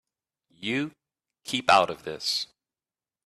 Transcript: You keep out of this.